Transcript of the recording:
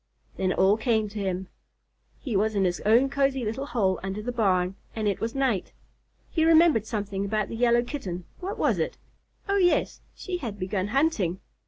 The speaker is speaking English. Then it all came to him. He was in his own cozy little hole under the barn, and it was night. He remembered something about the Yellow Kitten. What was it? Oh yes, she had begun hunting.